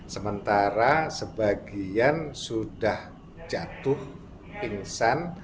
sementara sebagian sudah jatuh pingsan